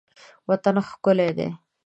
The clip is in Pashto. وطن ښکلی دی.